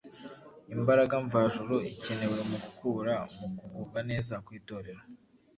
imbaraga mvajuru ikenewe mu gukura, mu kugubwa neza kw’Itorero,